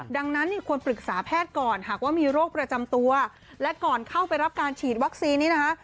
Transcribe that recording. ดังนั้นเนี่ยควรปรึกษาแพทย์ก่อนหากว่ามีโรคประจำตัวและก่อนเข้าไปรับการฉีดวัคซีนนี้นะคะ